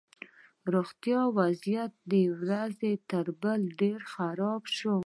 روغتیایي وضعیت یې ورځ تر بلې ډېر خراب شو